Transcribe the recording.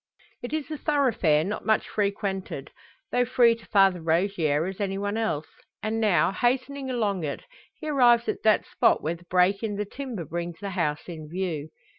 It is a thoroughfare not much frequented, though free to Father Rogier as any one else; and, now hastening along it, he arrives at that spot where the break in the timber brings the house in view.